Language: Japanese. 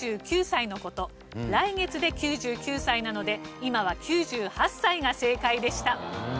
来月で９９歳なので今は９８歳が正解でした。